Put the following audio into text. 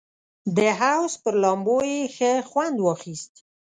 د حوض پر لامبو یې ښه خوند واخیست.